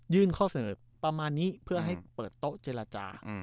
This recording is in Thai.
ยื่นข้อเสนอประมาณนี้เพื่อให้เปิดโต๊ะจิลลาจา